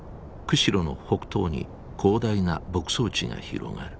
釧路の北東に広大な牧草地が広がる。